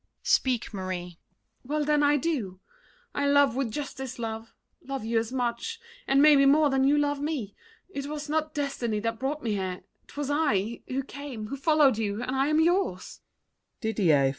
Speak, Marie! MARION. Well, then, I do. I love with just this love—love you as much And maybe more than you love me! It was Not destiny that brought me here. 'Twas I Who came, who followed you, and I am yours!